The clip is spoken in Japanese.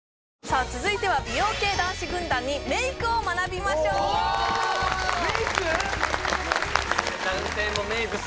さあ続いては美容系男子軍団にメイクを学びましょう！メイク！？